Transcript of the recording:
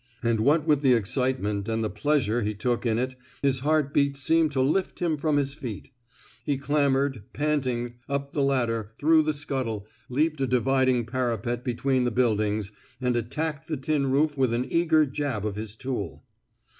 And what with the excitement, and the pleasure he took in it, his heart beats seemed to lift him from his feet. He clam bered, panting, up the ladder through the scuttle, leaped a dividing parapet between the buildings, and attacked the tin roofing with an eager jab of his tool.